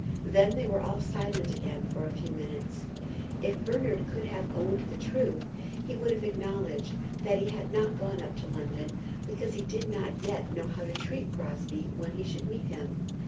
Then they were all silent again for a few minutes. If Bernard could have owned the truth, he would have acknowledged that he had not gone up to London, because he did not yet know how to treat Crosbie when he should meet him.